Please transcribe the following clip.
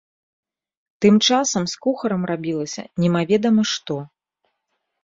Тым часам з кухарам рабілася немаведама што.